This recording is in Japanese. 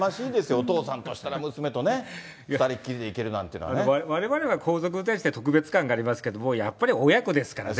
お父さんとしたら、娘と２人きりわれわれは皇族に対しては、特別感がありますけれども、やっぱり親子ですからね。